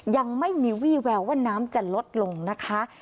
ยังไม่มีวี่แววว่าน้ำจะลดลงนะคะ